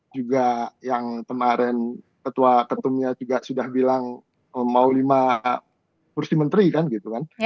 juga yang kemarin ketua ketumnya juga sudah bilang mau lima kursi menteri kan gitu kan